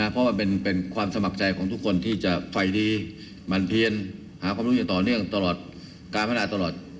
เพราะความสมัครใจของทุกคนที่จะไฟดีต่อเนื่องการพนาศตลอด